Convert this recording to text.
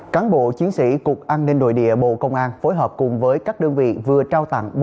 cán bộ chiến sĩ cục an ninh nội địa bộ công an phối hợp cùng với các đơn vị vừa trao tặng